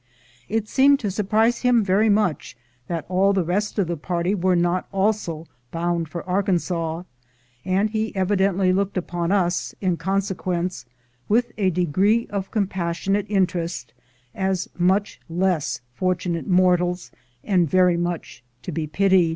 It seemed to surprise him very much that all the rest of the party were not also bound for Arkansas, and he evidently looked upon us, in consequence, with a degree of compassionate interest, as much less fortunate mortals, and very much to be pitied.